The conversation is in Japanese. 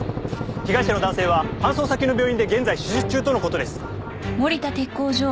被害者の男性は搬送先の病院で現在手術中との事です。